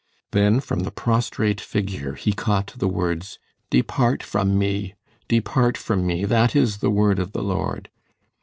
Then from the prostrate figure he caught the words, "Depart from me! Depart from me! That is the word of the Lord."